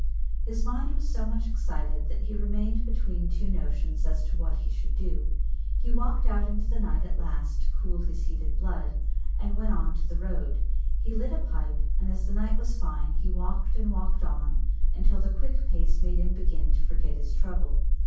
His mind was so much excited that he remained between two notions as to what he should do. He walked out into the night at last to cool his heated blood, and went on to the road. He lit a pipe, and as the night was fine he walked and walked on, until the quick pace made him begin to forget his trouble.